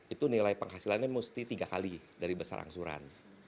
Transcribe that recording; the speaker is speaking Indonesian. itu nilai penghasilannya mesti tiga kali dari besar angsuran